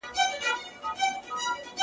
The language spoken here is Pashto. نه پاچا نه حکمران سلطان به نسې.